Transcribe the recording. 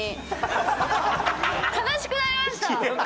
悲しくなりました。